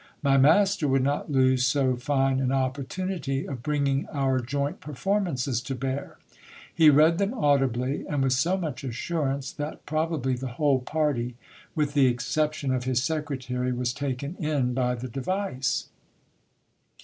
My master would not lose so fine an opportunity of bringing our joint perform ances to bear. He read them audibly, and with so much assurance, that probably the whole party, with the exception of his secretary, was taken in by the device.